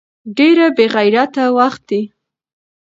ډېر بې غېرته وختې.